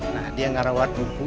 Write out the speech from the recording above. nah dia ngarawat buku